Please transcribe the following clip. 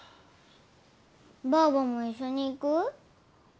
ばあばも一緒に行く？